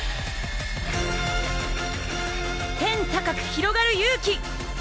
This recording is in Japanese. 天高くひろがる勇気！